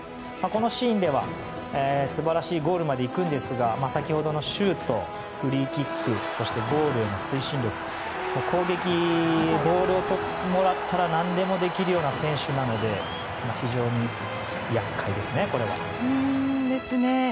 このシーンでは素晴らしいゴールまでいくんですが先ほどのシュートフリーキックそしてゴールへの推進力攻撃、ボールをもらったら何でもできるような選手なので非常に厄介ですね。